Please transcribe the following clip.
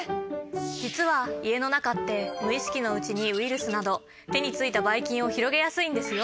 実は家の中って無意識のうちにウイルスなど手についたバイ菌を広げやすいんですよ。